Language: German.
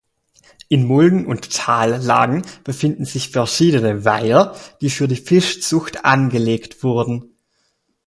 In Mulden- und Tallagen befinden sich verschiedene Weiher, die für die Fischzucht angelegt wurden.